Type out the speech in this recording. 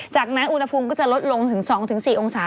จากนั้นอุณหภูมิก็จะลดลงถึง๒๔องศา